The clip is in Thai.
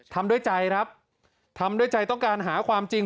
ทำด้วยใจครับทำด้วยใจต้องการหาความจริง